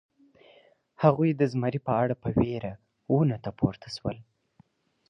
هغوی د زمري په اړه په وېره ونو ته پورته شول.